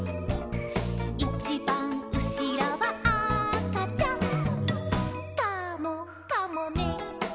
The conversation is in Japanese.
「いちばんうしろはあかちゃん」「カモかもね」